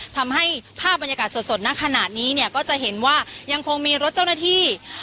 ภาพบรรยากาศสดนักขนาดนี้เนี่ยก็จะเห็นว่ายังคงมีรถเจ้าหน้าที่